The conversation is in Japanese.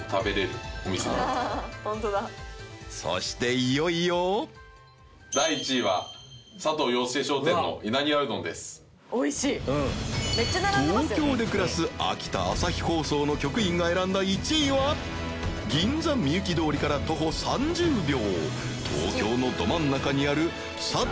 いよいよ東京で暮らす秋田朝日放送の局員が選んだ１位は銀座みゆき通りから徒歩３０秒東京のど真ん中にある佐藤